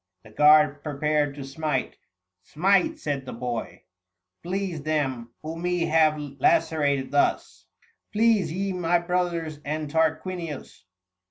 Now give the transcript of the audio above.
The guard prepared to smite :" Smite !" said the boy ;" Please them, who me have lacerated thus ; Please ye my brothers and Tarquinius."